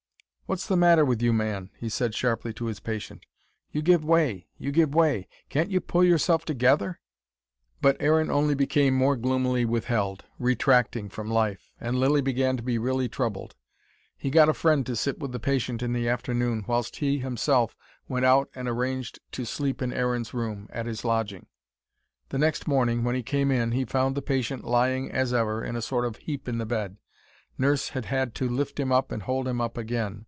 "What's the matter with you, man!" he said sharply to his patient. "You give way! You give way! Can't you pull yourself together?" But Aaron only became more gloomily withheld, retracting from life. And Lilly began to be really troubled. He got a friend to sit with the patient in the afternoon, whilst he himself went out and arranged to sleep in Aaron's room, at his lodging. The next morning, when he came in, he found the patient lying as ever, in a sort of heap in the bed. Nurse had had to lift him up and hold him up again.